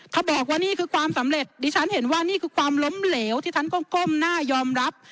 ถ้าบอกว่านี่คือความสำเร็จดิฉันเห็นว่านี่คือความล้มเหลวที่ท่านก็ก้มหน้ายอมรับ